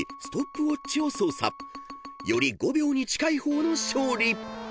［より５秒に近い方の勝利］